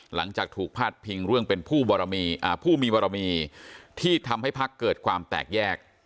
หลังจากถูกพาดพิงเรื่องเป็นผู้มีบารมีที่ทำให้พักเกิดความแตกแยก